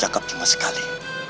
ayah cakap cuma sekali